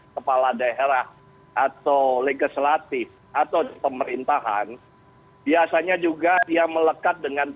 ketua dpp pdi perjuangan